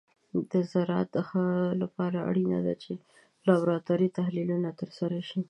د زراعت د ښه لپاره اړینه ده چې د لابراتور تحلیلونه ترسره شي.